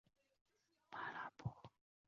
马拉波阿马是巴西圣保罗州的一个市镇。